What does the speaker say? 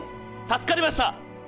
助かりました！